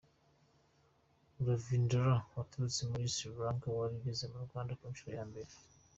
Ravindran, waturutse muri Sri Lanka wari ugeze mu Rwanda ku nshuro ya mbere.